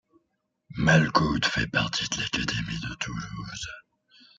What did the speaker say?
Malegoude fait partie de l'académie de Toulouse.